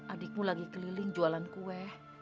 adikmu lagi keliling jualan kue